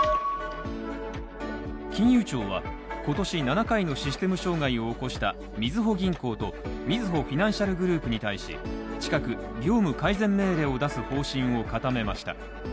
金融庁は今年７回のシステム障害を起こしたみずほ銀行とみずほフィナンシャルグループに対し近く業務改善命令を出す方針を固めました